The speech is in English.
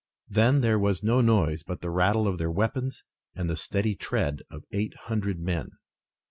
Then there was no noise but the rattle of their weapons and the steady tread of eight hundred men.